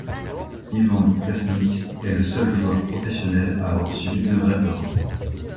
Ivan Klasnić est le seul joueur professionnel à avoir subi deux greffes de rein.